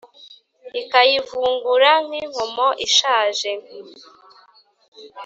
ikayivungura nk’inkomo ishaje